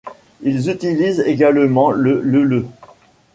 Ils utilisent également le lele.